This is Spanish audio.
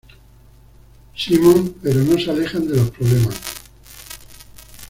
Simons, pero no se alejan de los problemas.